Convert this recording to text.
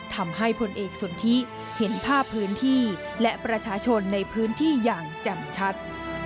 ทำให้ผลเอกสนทิธิ์เห็นภาพพื้นที่และประชาชนในพื้นที่อย่างจำชัด